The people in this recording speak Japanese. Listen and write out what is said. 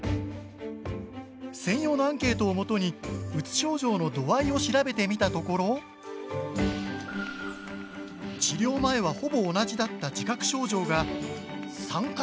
専用のアンケートをもとにうつ症状の度合いを調べてみたところ治療前はほぼ同じだった自覚症状が３か月後。